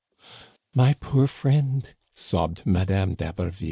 "My poor friend," sobbed Madame d'Haberville